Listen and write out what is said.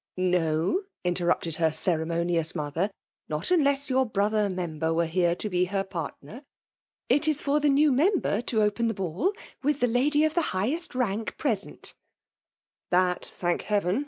'^ No," interrupted her ceremonious mother, not unless your brother member were here to be her partner. It is for the new member id open the ball, with the lady of the highest rank present" " That, thank Heaven